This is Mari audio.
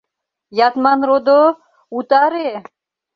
Ятман родо, утаре!..